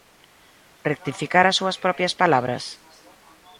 ¿Rectificar as súas propias palabras?